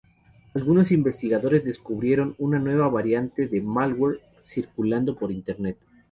Algunos investigadores descubrieron una nueva variante del malware circulando por Internet.